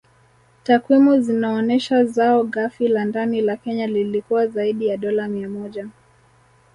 Takwimu zinaonesha zao Ghafi la Ndani la Kenya lilikuwa zaidi ya dola mia moja